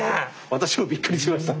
私もびっくりしました。